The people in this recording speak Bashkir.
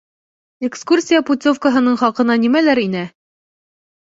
Экскурсия путевкаһының хаҡына нимәләр инә?